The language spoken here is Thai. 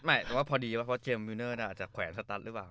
ไม่แต่ว่าพอดีเพราะว่าเจียมมิวเนอร์น่ะอาจจะแขวนสตัสหรือเปล่า